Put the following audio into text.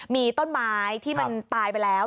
มีต้นไม้ที่มันตายไปแล้ว